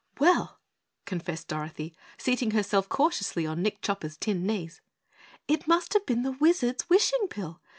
"Well," confessed Dorothy, seating herself cautiously on Nick Chopper's tin knees, "it must have been the Wizard's wishing pill.